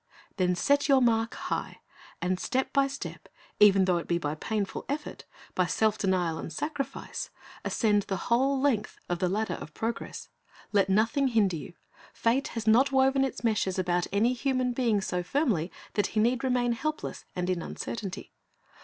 Then set your mark high, and step by step, even though it be by painful effort, by self denial and sacrifice, ascend the whole length of the ladder ijohn 3: 16. 33^ C/iJ ist's Object Lessons of progress. Let nothing hinder you. Fate has not woven its meshes about any human being so firmly that he need remain helpless and in uncertainty.